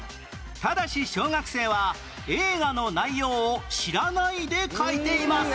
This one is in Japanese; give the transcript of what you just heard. ただし小学生は映画の内容を知らないで描いています